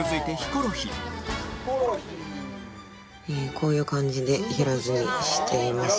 こういう感じで平積みしています。